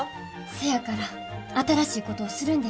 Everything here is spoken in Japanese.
せやから新しいことをするんです。